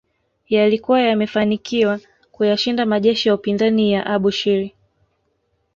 Yalikuwa yamefanikiwa kuyashinda majeshi ya upinzani ya Abushiri